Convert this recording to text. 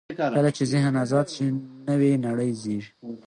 کله چې ذهن آزاد شي، نوې نړۍ زېږي.